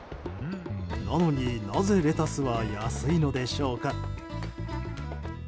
なのに、なぜレタスは安いのでしょうか。